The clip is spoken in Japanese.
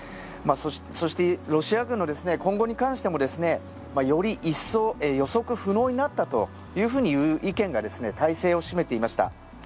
そしてロシア軍の今後に関してもですねより一層予測不能になったという意見が大勢を占めていました。